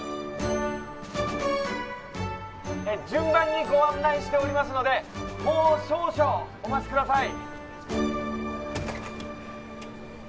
順番にご案内しておりますのでもう少々お待ちください。